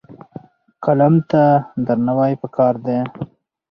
قلم ته درناوی پکار دی.